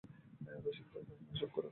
রসিকদাদা, চুপ করে রইলে যে!